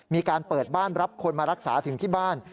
มีการเปิดบ้านรับคนมารักษาถึงที่บ้าน